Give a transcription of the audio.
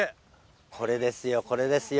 これですよこれですよ。